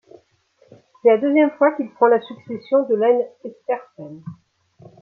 C'est la deuxième fois qu'il prend la succession de Lene Espersen.